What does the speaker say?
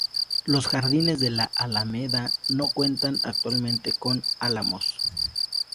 Los jardines de la alameda no cuentan actualmente con álamos.